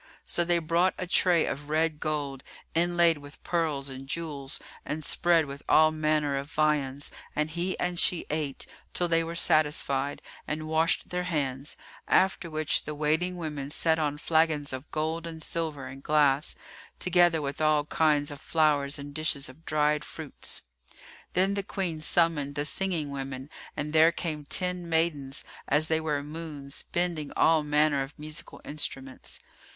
So they brought a tray of red gold, inlaid with pearls and jewels and spread with all manner of viands and he and she ate, till they were satisfied, and washed their hands; after which the waiting women set on flagons of gold and silver and glass, together with all kinds of flowers and dishes of dried fruits. Then the Queen summoned the singing women and there came ten maidens, as they were moons, hending all manner of musical instruments.